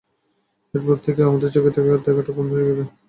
এরপর থেকে আমাদের চোখের দেখাটাও বন্ধ হয়ে যায়।